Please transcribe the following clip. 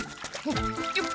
よっ！